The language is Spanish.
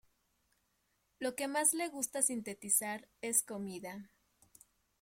Lo que más le gusta sintetizar es comida.